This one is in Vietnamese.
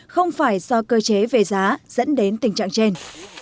không phải do cơ chế về giá dẫn đến tình trạng trên